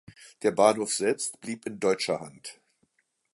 Der Bahnhof selbst blieb in deutscher Hand.